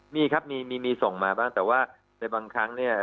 มีครับมีมีส่งมาบ้างแต่ว่าในบางครั้งเนี่ย